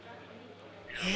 え？